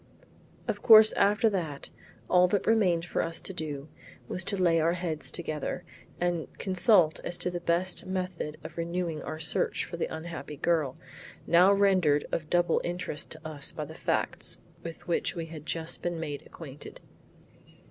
Of course after that, all that remained for us to do was to lay our heads together and consult as to the best method of renewing our search after the unhappy girl, now rendered of double interest to us by the facts with which we had just been made acquainted.